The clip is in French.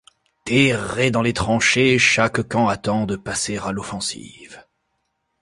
Terré dans les tranchées, chaque camp attend de passer à l'offensive..